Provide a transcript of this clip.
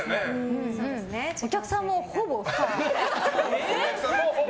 お客さんも、ほぼ不可。